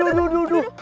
aduh duh duh duh